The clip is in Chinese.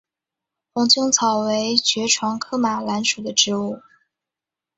黄猄草为爵床科马蓝属的植物。